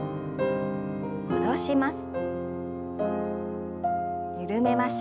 戻します。